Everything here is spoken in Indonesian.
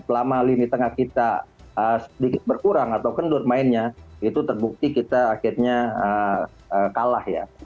selama lini tengah kita sedikit berkurang atau kendur mainnya itu terbukti kita akhirnya kalah ya